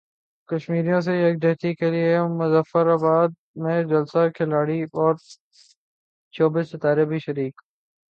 کشمیریوں سے یکجہتی کیلئے مظفر اباد میں جلسہ کھلاڑی اور شوبز ستارے بھی شریک